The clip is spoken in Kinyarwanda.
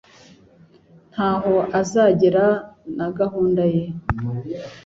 Ntaho azagera na gahunda ye